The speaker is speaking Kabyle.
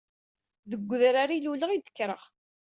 Deg udrar i luleɣ i d-kkreɣ.